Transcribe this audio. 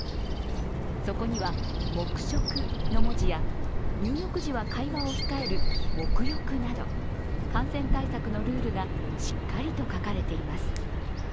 そこには「黙食」の文字や、入浴時は会話を控える「黙浴」など感染対策のルールがしっかりと書かれています。